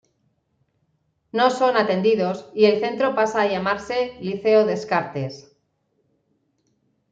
No son atendidos y el centro pasa a llamarse "liceo Descartes".